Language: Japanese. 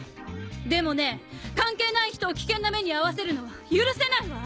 でもね関係ない人を危険な目に遭わせるのは許せないわ！